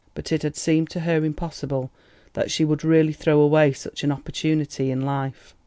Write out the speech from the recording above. But it had seemed to her impossible that she would really throw away such an opportunity in life.